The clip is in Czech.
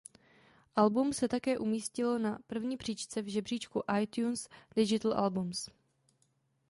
Album se také umístilo na první příčce v žebříčku iTunes Digital Albums.